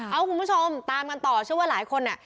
เอาคุณผู้ชมตามกันต่อเชื่อว่าหลายคนน่ะ